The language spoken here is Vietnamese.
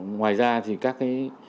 ngoài ra thì các cái